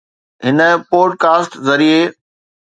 هن podcast ذريعي